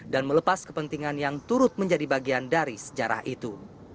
dan melepas kepentingan yang turut menjadi bagian dari sejarah itu